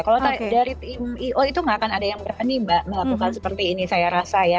kalau dari tim i o itu nggak akan ada yang berani mbak melakukan seperti ini saya rasa ya